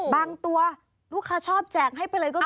ตัวลูกค้าชอบแจกให้ไปเลยก็คือ